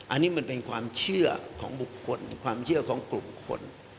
อันนี้มันเป็นความเชื่อของบุคคลความเชื่อของกลุ่มคน